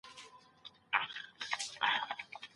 کوم عذرونه د ميرمني سفر منع کوي؟